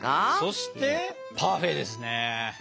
そしてパフェですね。